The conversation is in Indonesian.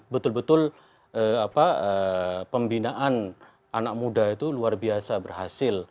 betul betul pembinaan anak muda itu luar biasa berhasil